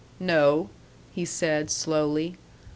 "No," he said, slowly.